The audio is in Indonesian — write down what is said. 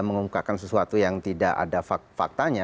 mengumumkakan sesuatu yang tidak ada faktanya